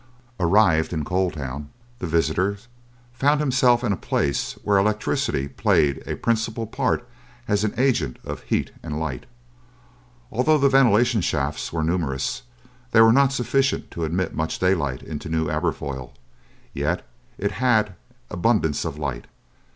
Arrived in Coal Town, the visitor found himself in a place where electricity played a principal part as an agent of heat and light. Although the ventilation shafts were numerous, they were not sufficient to admit much daylight into New Aberfoyle, yet it had abundance of light.